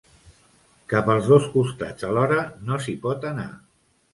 Cap als dos costats alhora no s’hi pot anar.